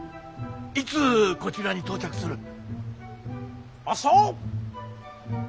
いつこちらに到着する。